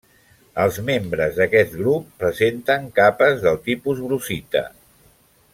Els membres d'aquest grup presenten capes del tipus brucita.